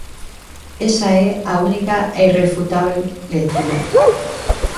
Esa é a única e irrefutábel lectura.